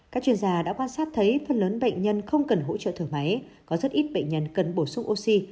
các chuyên gia đã quan sát thấy phần lớn bệnh nhân không cần hỗ trợ thở máy có rất ít bệnh nhân cần bổ sung oxy